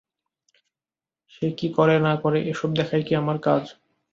সে কি করে না করে এসব দেখাই কি আমার কাজ।